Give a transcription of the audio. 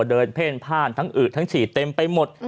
เพ่นพ่านทั้งอึทั้งฉีดเต็มไปหมด